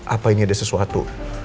apa ini ada sesuatu